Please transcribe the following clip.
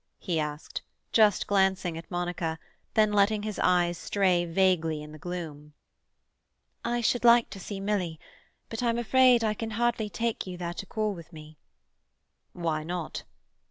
he asked, just glancing at Monica, then letting his eyes stray vaguely in the gloom. "I should like to see Milly, but I'm afraid I can hardly take you there to call with me." "Why not?"